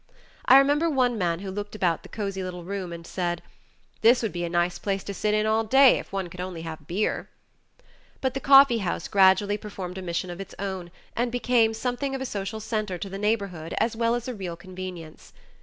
I remember one man who looked about the cozy little room and said, "This would be a nice place to sit in all day if one could only have beer." But the coffee house gradually performed a mission of its own and became something of a social center to the neighborhood as well as a real convenience.